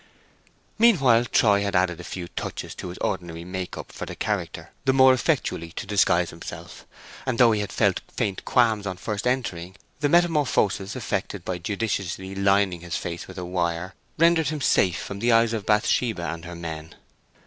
Meanwhile Troy had added a few touches to his ordinary make up for the character, the more effectually to disguise himself, and though he had felt faint qualms on first entering, the metamorphosis effected by judiciously "lining" his face with a wire rendered him safe from the eyes of Bathsheba and her men.